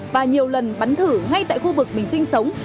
và nhiều lần bắn thử ngay tại khu vực mình sinh sống